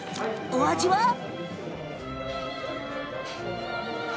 お味は？